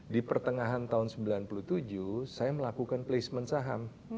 di pertengahan tahun sembilan puluh tujuh saya melakukan placement saham